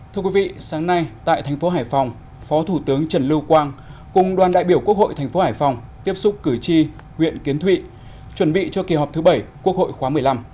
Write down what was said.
thưa quý vị sáng nay tại thành phố hải phòng phó thủ tướng trần lưu quang cùng đoàn đại biểu quốc hội thành phố hải phòng tiếp xúc cử tri huyện kiến thụy chuẩn bị cho kỳ họp thứ bảy quốc hội khóa một mươi năm